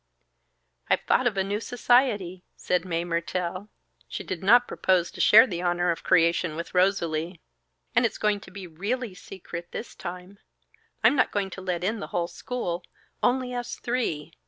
"I've thought of a new society," said Mae Mertelle. She did not propose to share the honor of creation with Rosalie. "And it's going to be really secret this time. I'm not going to let in the whole school. Only us three.